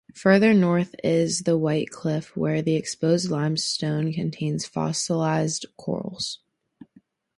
Further north is the White Cliff, where the exposed limestone contains fossilised corals.